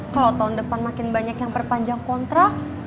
kalau tahun depan makin banyak yang perpanjang kontrak